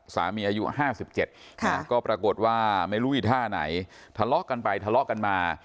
สามีอายุห้าสิบเจ็ดก็ปรากฏว่าไม่รู้อีกท่าไหนทะเลาะกันไปทะเลาะกันมา